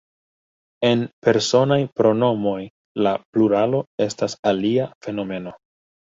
En Personaj pronomoj, la pluralo estas alia fenomeno.